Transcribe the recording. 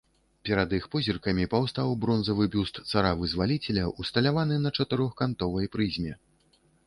Перад іх позіркамі паўстаў бронзавы бюст цара-вызваліцеля ўсталяваны на чатырохкантовай прызме.